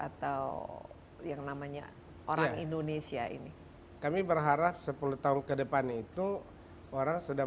atau yang namanya orang indonesia ini kami berharap sepuluh tahun kedepannya itu warna sudah